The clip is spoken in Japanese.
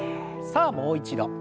さあもう一度。